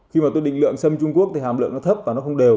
khi mà tôi định lượng sâm trung quốc thì hàm lượng nó thấp và nó không đều